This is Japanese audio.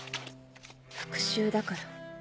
復讐だから。